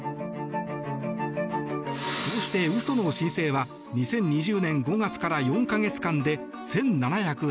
こうして嘘の申請は２０２０年５月から４か月間で１７８０件。